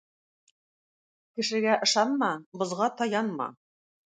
Кешегә ышанма, бозга таянма.